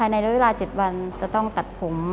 ในรวมเวลา๗วันจะต้องตัดผม